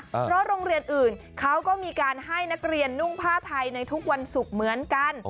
เพราะโรงเรียนอื่นเขาก็มีการให้นักเรียนนุ่งผ้าไทยในทุกวันศุกร์เหมือนกัน